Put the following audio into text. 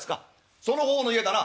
「その方の家だな？